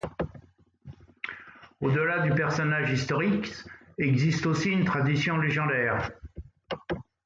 Au-delà du personnage historique existe aussi une tradition légendaire.